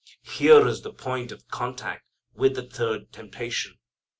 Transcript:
Here is the point of contact with the third temptation.